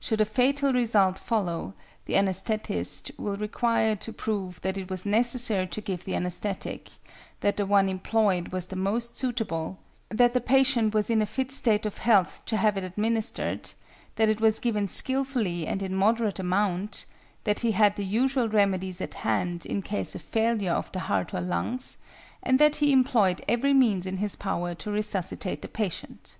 Should a fatal result follow, the anæsthetist will require to prove that it was necessary to give the anæsthetic, that the one employed was the most suitable, that the patient was in a fit state of health to have it administered, that it was given skilfully and in moderate amount, that he had the usual remedies at hand in case of failure of the heart or lungs, and that he employed every means in his power to resuscitate the patient.